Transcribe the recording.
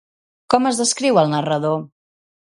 Com es descriu el narrador?